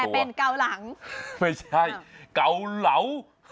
เป็นเกาหลังไม่ใช่เกาเหลา